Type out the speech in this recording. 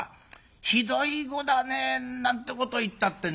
ひどい碁だね」なんてことを言ったってね